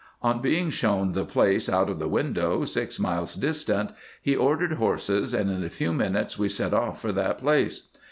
On being shown the place out of the window, six miles distant, he ordered horses, and in a few minutes we set off for that place.